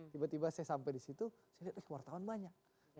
tiba tiba saya sampai disitu saya lihat kewarnaan banyak